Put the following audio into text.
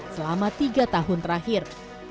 selama tiga tahun terakhir